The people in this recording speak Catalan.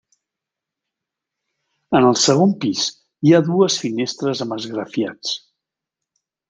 En el segon pis hi ha dues finestres amb esgrafiats.